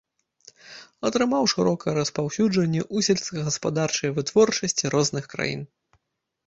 Атрымаў шырокае распаўсюджанне ў сельскагаспадарчай вытворчасці розных краін.